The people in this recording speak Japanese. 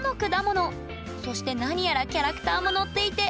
そして何やらキャラクターも載っていてかわいい！